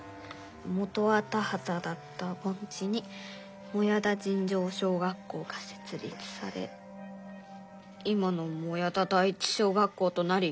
「元は田はただったぼん地に靄田尋常小学校がせつ立され今の靄田第一小学校となり」。